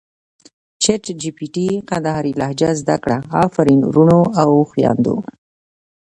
چټ جې پې ټې کندهارې لهجه زده کړه افرین ورونو او خویندو!